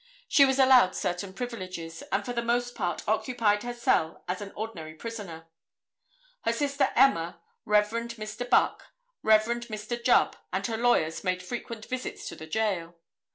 She was allowed certain privileges, and for the most part occupied her cell as an ordinary prisoner. Her sister Emma, Rev. Mr. Buck, Rev. Mr. Jubb and her lawyers made frequent visits to the jail.